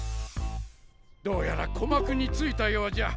どうやら鼓膜に着いたようじゃ。